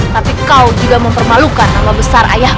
tapi kau juga mempermalukan nama besar ayahku